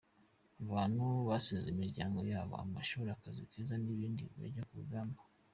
Abantu basize imiryango yabo, amashuri, akazi keza n’ibindi bajya ku rugamba.